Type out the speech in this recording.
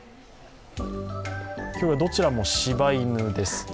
今日はどちらもしば犬です。